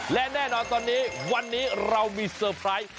และแน่นอนตอนนี้วันนี้เรามีเซอร์ไพรส์